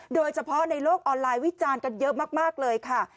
โดยเฉพาะในโลกออนไลน์วิจารณ์กันเยอะมากเลยค่ะ